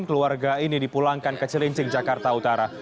keluarga ini dipulangkan ke cilincing jakarta utara